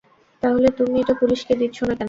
তাহলে তুমি এটা পুলিশকে দিচ্ছো না কেন?